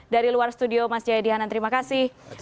dari luar studio mas jaya dihanan terima kasih